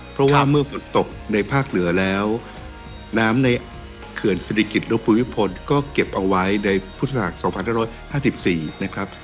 เพราะว่าเมื่อฝนตกในภาคเหนือแล้วน้ำในเขื่อนศิริกิจและภูมิพลก็เก็บเอาไว้ในพุทธศักดิ๒๕๕๔นะครับ